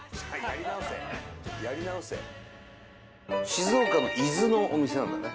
静岡の伊豆のお店なんだね。